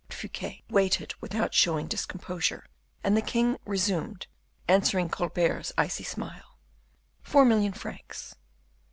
Fouquet waited without showing discomposure; and the king resumed, answering Colbert's icy smile, "four million francs."